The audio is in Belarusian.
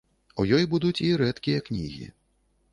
У ёй будуць і рэдкія кнігі.